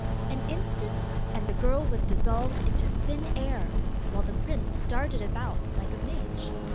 An instant, and the girl was dissolved into thin air, while the prince darted about like a midge.